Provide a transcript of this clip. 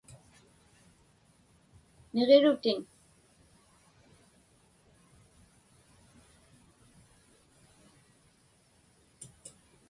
Niġirutin.